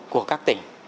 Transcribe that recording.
của các tỉnh